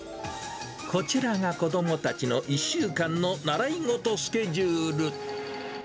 こちらが子どもたちの１週間の習い事スケジュール。